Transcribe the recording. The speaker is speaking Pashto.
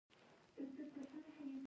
د نجونو تعلیم د انساني کرامت ساتنه کوي.